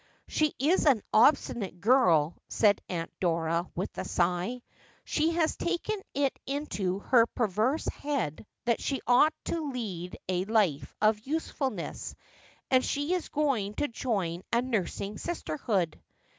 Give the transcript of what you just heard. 'She is an obstinate girl,' said Aunt Dora, with a sigh. ' She has taken it into her perverse head that she ought to lead a life of usefulness, and she is going to join a nursing sisterhood.'